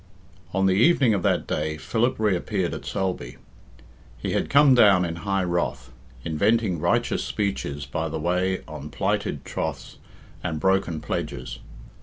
On the evening of that day Philip reappeared at Sulby. He had come down in high wrath, inventing righteous speeches by the way on plighted troths and broken pledges.